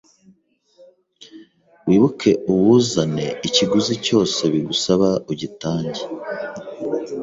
wibuke uwuzane ikiguzi cyose bigusaba ugitange